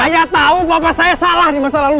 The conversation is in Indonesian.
saya tahu bapak saya salah di masa lalu